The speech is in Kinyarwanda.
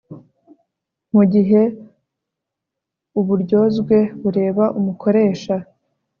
Mu gihe uburyozwe bureba umukoresha